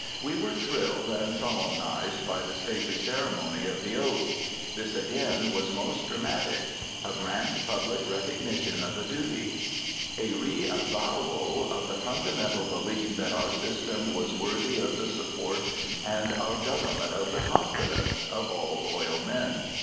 We were thrilled and solemnized by the stately ceremony of the oath. This again was most dramatic. A grand public recognition of a duty. A reavowal of the fundamental belief that our system was worthy of the support, and our Government of the confidence, of all loyal men.